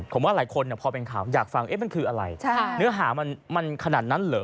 ผมว่าหลายคนพอเป็นข่าวอยากฟังมันคืออะไรเนื้อหามันขนาดนั้นเหรอ